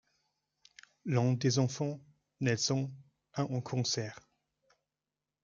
L'un des enfants, Nelson, a un cancer.